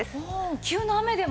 急な雨でも。